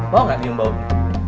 mau gak nyium baunya